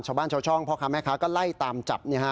ชาวบ้านชาวช่องพ่อค้าแม่ค้าก็ไล่ตามจับ